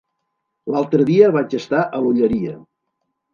L'altre dia vaig estar a l'Olleria.